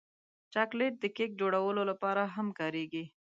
چاکلېټ د کیک جوړولو لپاره هم کارېږي.